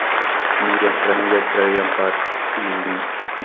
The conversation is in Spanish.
En ella, Triana Park y su canción "Line" fueron declarados ganadores de la edición.